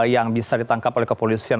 yang bisa ditangkap oleh kepolisian